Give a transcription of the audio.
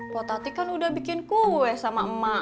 protati kan udah bikin kue sama emak